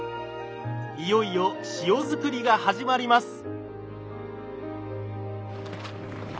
いよいよ塩づくりが始まります。